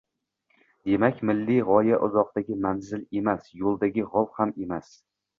Demak milliy g‘oya uzoqdagi manzil emas, yo‘ldagi g‘ov ham emas